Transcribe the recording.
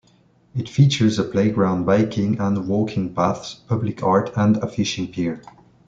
It features a playground, biking and walking paths, public art, and a fishing pier.